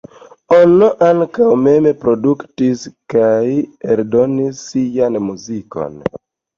Ono ankaŭ mem produktis kaj eldonis sian muzikon.